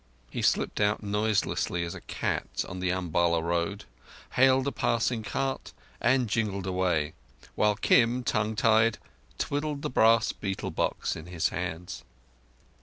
He slipped out noiselessly as a cat, on the Umballa road, hailed a passing cart and jingled away, while Kim, tongue tied, twiddled the brass betel box in his hands.